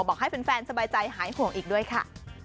บอกให้แฟนสบายใจหายห่วงอีกด้วยค่ะ